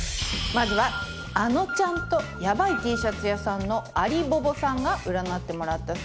まずはあのちゃんとヤバイＴシャツ屋さんのありぼぼさんが占ってもらったそうです。